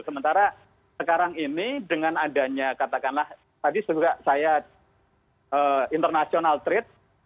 sementara sekarang ini dengan adanya katakanlah tadi juga saya international trade